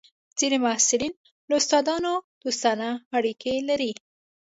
ځینې محصلین له استادانو دوستانه اړیکې لري.